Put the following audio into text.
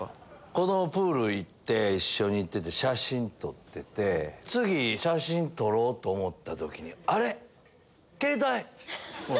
子供とプール一緒に行って写真撮ってて次写真撮ろうと思った時に。